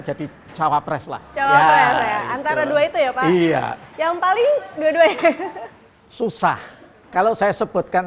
jadi cawa press lah antara dua itu ya pak iya yang paling dua duanya susah kalau saya sebutkan